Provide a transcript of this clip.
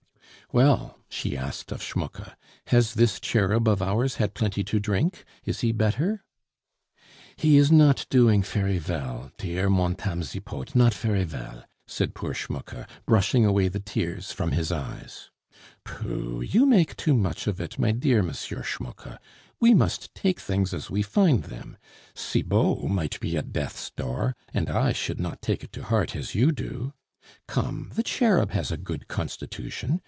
"Well?" she asked of Schmucke, "has this cherub of ours had plenty to drink? Is he better?" "He is not doing fery vell, tear Montame Zipod, not fery vell," said poor Schmucke, brushing away the tears from his eyes. "Pooh! you make too much of it, my dear M. Schmucke; we must take things as we find them; Cibot might be at death's door, and I should not take it to heart as you do. Come! the cherub has a good constitution.